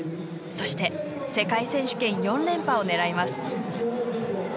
そして、世界選手権４連覇を狙います。